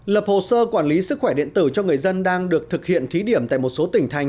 lập hồ sơ quản lý sức khỏe điện tử cho người dân đang được thực hiện thí điểm tại một số tỉnh thành